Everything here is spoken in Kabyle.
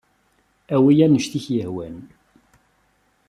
Awey anect ay ak-yehwan.